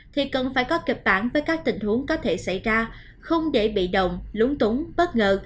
thì cần phải có kịch bản với các tình huống có thể xảy ra không để bị động lúng túng bất ngờ